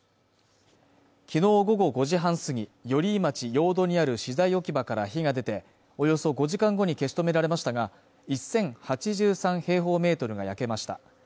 きのう午後５時半過ぎ寄居町用土にある資材置き場から火が出ておよそ５時間後に消し止められましたが１０８３平方メートルが焼けました